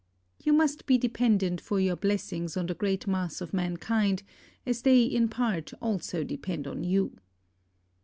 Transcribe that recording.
You must be dependent for your blessings on the great mass of mankind, as they in part also depend on you.